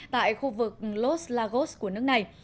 tại khu vực los lagos của nước này